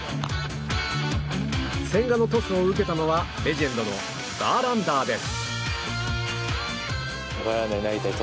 千賀のトスを受けたのはレジェンドのバーランダーです。